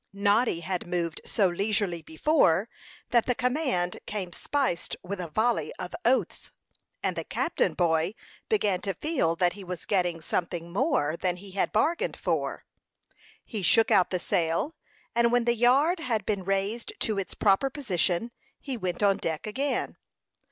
Noddy had moved so leisurely before, that the command came spiced with a volley of oaths; and the cabin boy began to feel that he was getting something more than he had bargained for. He shook out the sail, and when the yard had been raised to its proper position, he went on deck again.